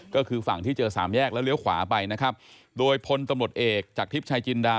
ก็คือฝั่งที่เจอสามแยกแล้วเลี้ยวขวาไปนะครับโดยพลตำรวจเอกจากทิพย์ชายจินดา